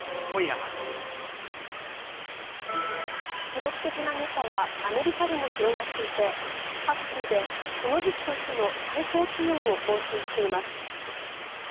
記録的な熱波はアメリカでも広がっていて各州でこの時期としての最高気温を更新しています。